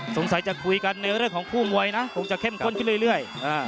สงสัยจะคุยกันในเรื่องของคู่มวยนะคงจะเข้มข้นขึ้นเรื่อย